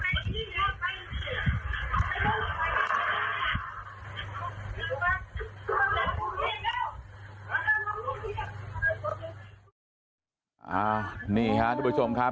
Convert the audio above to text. ต้องกินนะนี่ฮะทุกประชอบครับ